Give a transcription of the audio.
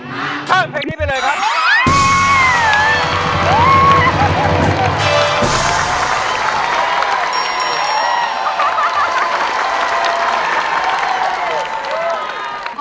ครับแผ่นที่นี้ไปเลยครับ